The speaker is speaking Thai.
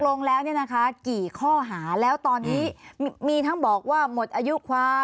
ลงแล้วเนี่ยนะคะกี่ข้อหาแล้วตอนนี้มีทั้งบอกว่าหมดอายุความ